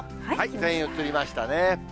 全員映りましたね。